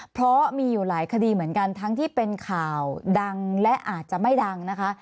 เพราะมีอยู่หลายคดีเหมือนกันทั้งที่เป็นข่าวดังและอาจจะไม่ดังนะคะ